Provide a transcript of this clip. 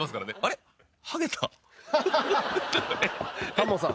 タモさん